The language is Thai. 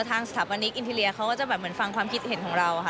ทางสถาบนิกอินเทียรียก็จะเป็นฟังความคิดเห็นของเราค่ะ